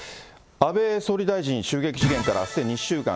安倍総理大臣襲撃事件からあすで２週間。